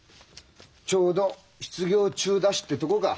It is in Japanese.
ちょうど失業中だしってとこか？